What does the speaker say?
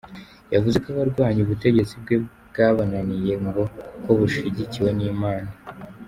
Yavuze ko abarwanya ubutegetsi bwe byabananiye ngo kuko bushyigikiwe n’Imana.